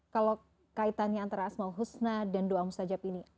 kalau kaitannya antara al asma'ul husna dan doa mustajab ini